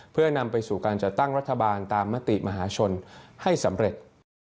เพื่อนำไปสู่การจัดตั้งรัฐบาลตามมติมหาชนให้สำเร็จ